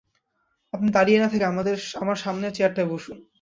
আপনি দাঁড়িয়ে না-থেকে আমার সামনের চেয়ারটায় বসুন।